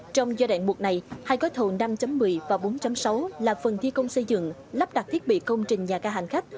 trong giai đoạn một này hai gói thầu năm một mươi và bốn sáu là phần thi công xây dựng lắp đặt thiết bị công trình nhà ca hành khách